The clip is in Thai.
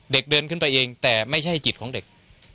เด็กเดินขึ้นไปเองแต่ไม่ใช่จิตของเด็ก